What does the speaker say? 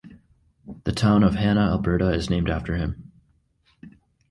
The town of Hanna, Alberta is named after him.